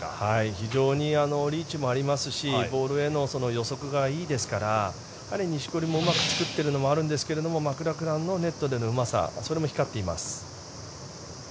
非常にリーチもありますしボールへの予測がいいですからやはり錦織もうまく作っているのもあるんですけどマクラクランのネットでのうまさ